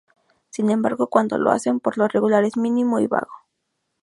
Sin embargo, cuando lo hacen, por lo regular es mínimo y vago.